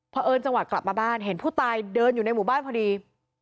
เพราะเอิญจังหวะกลับมาบ้านเห็นผู้ตายเดินอยู่ในหมู่บ้านพอดี